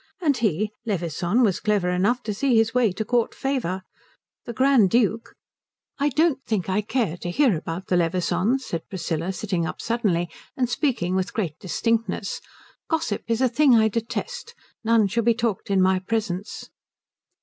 And he, Levisohn, was clever enough to see his way to Court favour. The Grand Duke " "I don't think I care to hear about the Levisohns," said Priscilla, sitting up suddenly and speaking with great distinctness. "Gossip is a thing I detest. None shall be talked in my presence."